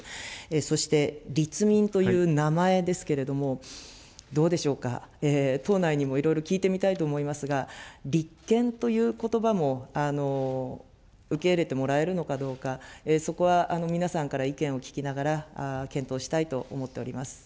そして立民という名前ですけれども、どうでしょうか、党内にもいろいろ聞いてみたいと思いますが、立憲ということばも受け入れてもらえるのかどうか、そこは皆さんから意見を聞きながら検討したいと思っております。